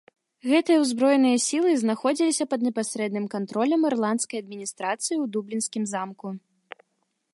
Гэтыя ўзброеныя сілы знаходзіліся пад непасрэдным кантролем ірландскай адміністрацыі ў дублінскім замку.